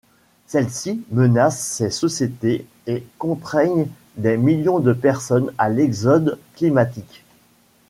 Celles-ci menacent ces sociétés et contraignent des millions de personnes à l'exode climatique..